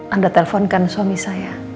anda telponkan suami saya